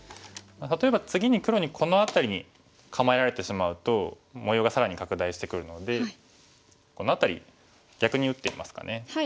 例えば次に黒にこの辺りに構えられてしまうと模様が更に拡大してくるのでこの辺り逆に打ってみますかね。